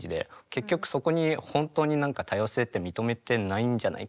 結局そこに本当に多様性って認めてないんじゃないかなって